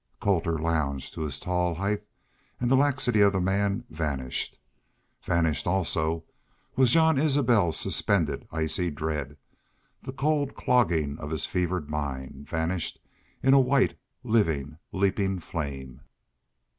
Colter lounged to his tall height and the laxity of the man vanished. Vanished also was Jean Isbel's suspended icy dread, the cold clogging of his fevered mind vanished in a white, living, leaping flame.